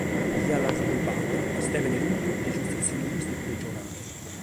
Ghiat sa dibata Istèvene Ruiu de s’Ufìtziu linguìsticu regionale.